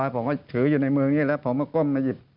ผมก็ถืออยู่ในมือนี้แล้วผมมาก้มมาหยิบ